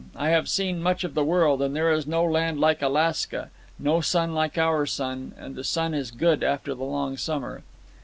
I have seen much of the world, and there is no land like Alaska, no sun like our sun, and the snow is good after the long summer."